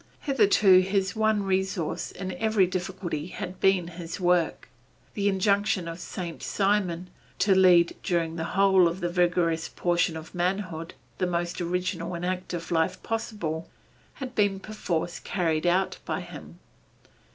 Hitherto his one resource in every difficulty had been his work. The injunction of Saint Simon, to lead during the whole of the vigorous portion of manhood the most original and active life possible, had been perforce carried out by him.